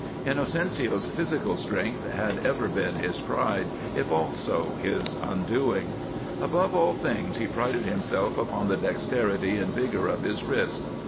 Inocencio's physical strength had ever been his pride, if also his undoing. Above all things, he prided himself upon the dexterity and vigor of his wrist.